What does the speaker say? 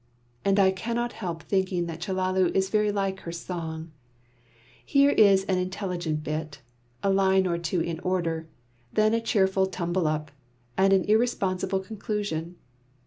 And I cannot help thinking that Chellalu is very like her song; here is an intelligible bit, a line or two in order, then a cheerful tumble up, and an irresponsible conclusion.